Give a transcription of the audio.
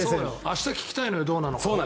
明日聞きたいのよどうなのか。